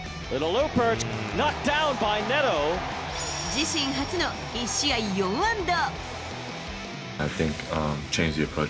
自身初の１試合４安打。